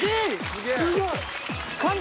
すごい。